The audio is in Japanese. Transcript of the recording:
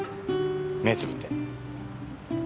目つぶって。